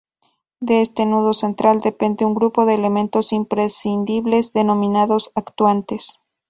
De este nudo central depende un grupo de elementos imprescindibles denominados actuantes.